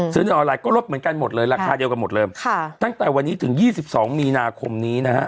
ในออนไลน์ก็ลดเหมือนกันหมดเลยราคาเดียวกันหมดเลยค่ะตั้งแต่วันนี้ถึง๒๒มีนาคมนี้นะฮะ